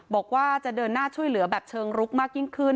บอกว่าจะเดินหน้าช่วยเหลือแบบเชิงลุกมากยิ่งขึ้น